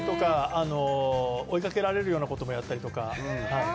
追いかけられるようなこともやったりとか。